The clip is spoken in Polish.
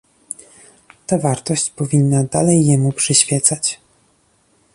Ta wartość powinna dalej jemu przyświecać